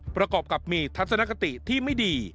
ประกอบกับมีทัศนคติที่ไม่ดี